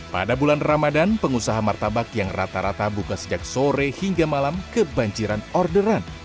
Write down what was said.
pada bulan ramadan pengusaha martabak yang rata rata buka sejak sore hingga malam kebanjiran orderan